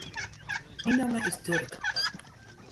Myn namme is Durk.